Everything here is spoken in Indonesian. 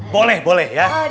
boleh boleh ya